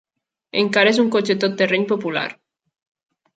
Encara és un cotxe tot terreny popular.